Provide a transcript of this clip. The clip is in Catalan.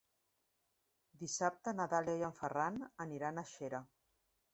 Dissabte na Dàlia i en Ferran aniran a Xera.